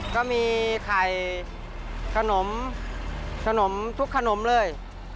ก็มีไข่ขนมขนมทุกขนมเลย